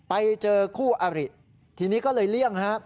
ไปเจอคู่อริทีนี้ก็เลยเลี่ยงฮะ